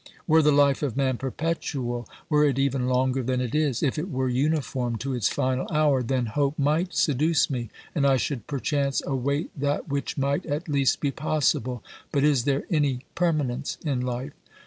Were the life of man perpetual, were it even longer than it is, if it were uniform to its final hour, then hope might seduce me, and I should perchance await that which might at least be possible. But is there any permanence in life